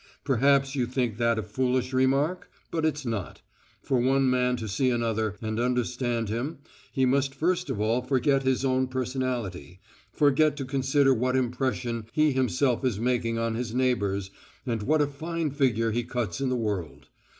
_ Perhaps you think that a foolish remark? But it's not. For one man to see another and understand him, he must first of all forget his own personality, forget to consider what impression he himself is making on his neighbours and what a fine figure he cuts in the world.